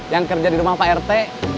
yang kerja di rumah pak rt